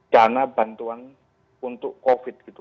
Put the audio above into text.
dana bantuan untuk covid gitu